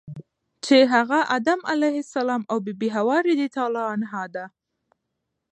چی هغه ادم علیه السلام او بی بی حوا رضی الله عنها ده .